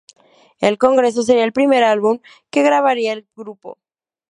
El Congreso sería el primer álbum que grabaría el grupo.